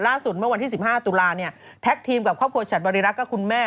เมื่อวันที่๑๕ตุลาเนี่ยแท็กทีมกับครอบครัวฉัดบริรักษ์กับคุณแม่